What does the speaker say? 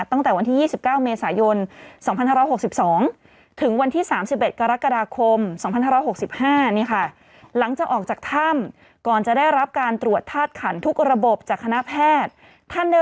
ตั้งแต่วันที่๒๙เมษายนสองพันธาระหกสิบสอง